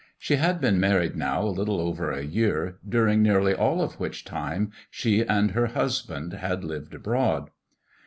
She had been married now a little over a year, during nearly all of which time she and her husband had lived abroad.